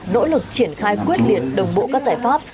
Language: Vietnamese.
nỗ lực triển khai quyết liệt đồng bộ các giải pháp